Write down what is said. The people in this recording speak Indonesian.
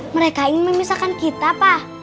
mereka ingin memisahkan kita pak